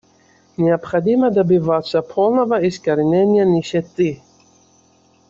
Необходимо добиваться полного искоренения нищеты.